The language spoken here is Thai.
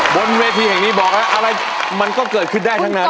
บนเวทีแห่งนี้บอกแล้วอะไรมันก็เกิดขึ้นได้ทั้งนั้น